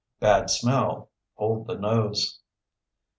Bad smell (Hold the nose).